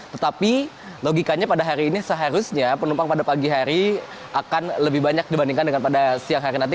tetapi logikanya pada hari ini seharusnya penumpang pada pagi hari akan lebih banyak dibandingkan dengan pada siang hari nanti